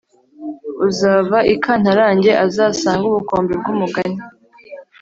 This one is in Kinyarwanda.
uzava i kantarange azasange ubukombe bw'umugani